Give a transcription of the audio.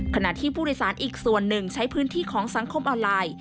ขณะที่ผู้โดยสารอีกส่วนหนึ่งใช้พื้นที่ของสังคมออนไลน์